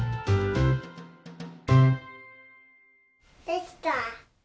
できた！